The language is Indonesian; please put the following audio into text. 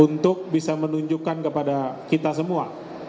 untuk bisa menunjukkan kepada kita semua